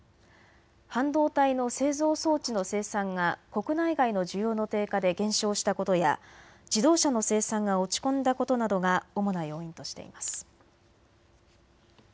半導体の製造装置の生産が国内外の需要の低下で減少したことや自動車の生産が落ち込んだことなどが主な要因としています。